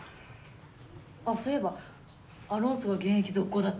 あっそういえばアロンソが現役続行だって。